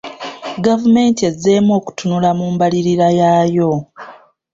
Gavumenti ezzeemu okutunula mu mbalirira yaayo.